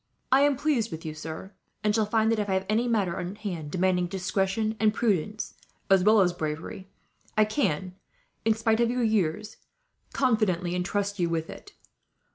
I am pleased with you, sir; and shall feel that, if I have any matter on hand demanding discretion and prudence, as well as bravery, I can, in spite of your years, confidently intrust you with it.